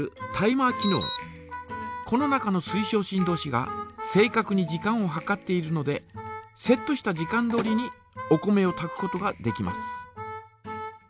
この中の水晶振動子が正かくに時間を計っているのでセットした時間どおりにお米をたくことができます。